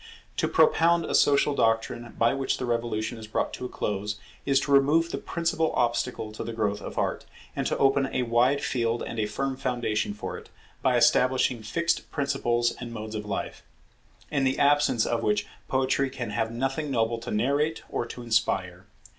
To propound a social doctrine by which the Revolution is brought to a close, is to remove the principal obstacle to the growth of Art, and to open a wide field and a firm foundation for it, by establishing fixed principles and modes of life; in the absence of which Poetry can have nothing noble to narrate or to inspire.